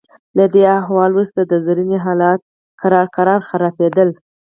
له دې احوال وروسته د زرینې حالات ورو ورو خرابیدل.